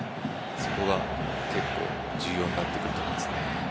そこが結構重要になってくると思いますね。